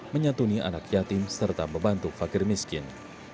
menyatuni anak yatim serta membantu fakir miskin